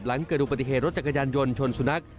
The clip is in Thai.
หลังเกิดอุบัติเหตุรถจักรยานยนต์ชนสุนัข